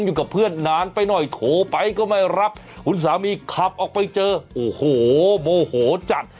อยู่กับเพื่อนนานไปหน่อยโทรไปก็ไม่รับคุณสามีขับออกไปเจอโอ้โหโมโหจัด